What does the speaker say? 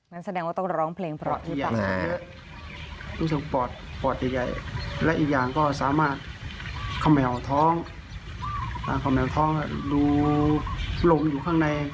มันแสดงว่าต้องร้องเพลงเพราะว่ะ